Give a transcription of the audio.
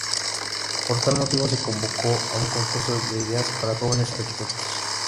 Por tal motivo se convocó a un concurso de ideas para jóvenes arquitectos.